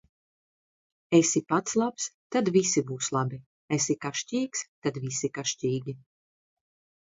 Esi pats labs, tad visi būs labi; esi kašķīgs, tad visi kašķīgi.